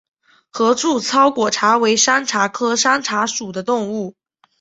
合柱糙果茶为山茶科山茶属的植物。